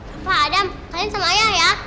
apa ada kalian sama ayah ya